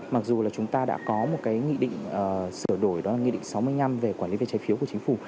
mặc dù là chúng ta đã có một cái nghị định sửa đổi đó là nghị định sáu mươi năm về quản lý về trái phiếu của chính phủ